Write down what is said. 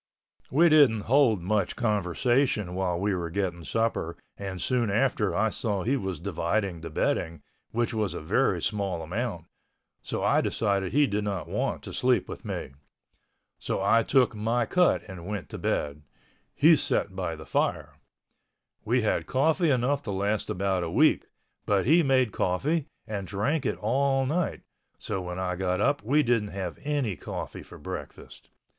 We didn't hold much conversation while we were getting supper and soon after I saw he was dividing the bedding, which was a very small amount, so I decided he did not want to sleep with me. So I took my cut and went to bed. He set by the fire. We had coffee enough to last about a week, but he made coffee and drank it all night, so when I got up we didn't have any coffee for breakfast.